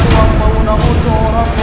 ya allah ya allah